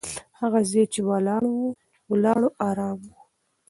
هغه ځای چې ولاړو، ارام و.